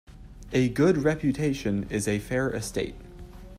A good reputation is a fair estate.